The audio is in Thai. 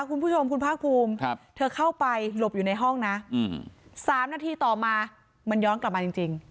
คุณผู้ชมคุณภาคภูมิเธอเข้าไปหลบอยู่ในห้องนะ๓นาทีต่อมามันย้อนกลับมาจริง